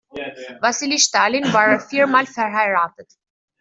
Wassili Stalin war viermal verheiratet.